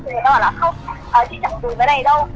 thì người ta bảo là không chị chẳng dùng cái này đâu